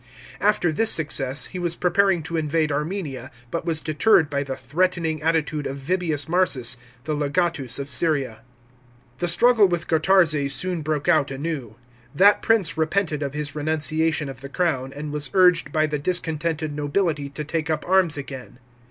After this success, he was preparing to invade Armenia, but was deterred by the threatening attitude of Vibius Marsus the legatus of Syria. The Strug le with Gotarzes soon broke out anew. That prince repented of his renunciation of the crown, and was urged by the discontented nobility to take up arms again.